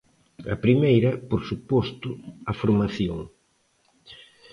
A primeira, por suposto, a formación.